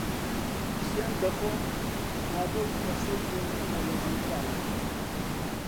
سوێند دەخۆم ئە بەو کەسەی بۆ ئێمە لە زیندانە